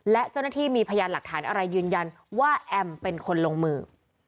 และเจ้าหน้าที่มีพยานหลักฐานอะไรยืนยันว่าแอมเป็นคนลงมือ